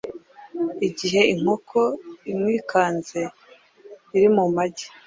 Igihe inkoko imwikanze iri mu magi,